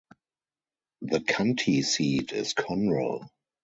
The county seat is Conroe.